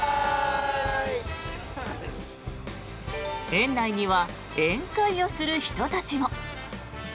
園内には宴会をする人たちも。